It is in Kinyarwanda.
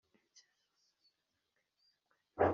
inzuki zose ziragusannga